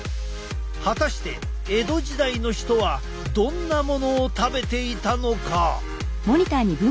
果たして江戸時代の人はどんなものを食べていたのか？